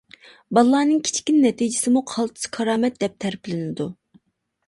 بالىلارنىڭ كىچىككىنە نەتىجىسىمۇ قالتىس، كارامەت دەپ تەرىپلىنىدۇ.